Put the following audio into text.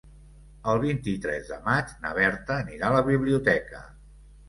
El vint-i-tres de maig na Berta anirà a la biblioteca.